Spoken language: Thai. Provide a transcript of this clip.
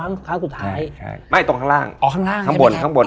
ตรงข้างล่างสุดท้าย